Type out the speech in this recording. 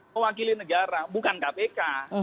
mewakili negara bukan kpk